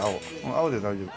青で大丈夫。